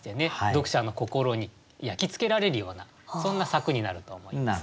読者の心に焼き付けられるようなそんな作になると思います。